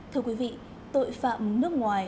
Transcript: thưa quý vị tội phạm nước ngoài